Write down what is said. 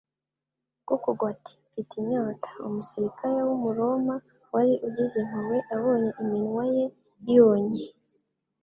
niko kugwa ati : "Mfite inyota". Umusirikare w'umuroma wari ugize impuhwe abonye iminwa ye yunye,